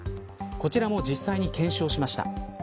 こちらも実際に検証しました。